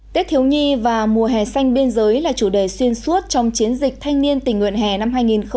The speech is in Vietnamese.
tết thiếu nhi và mùa hè xanh biên giới là chủ đề xuyên suốt trong chiến dịch thanh niên tỉnh nguyện hè năm hai nghìn một mươi chín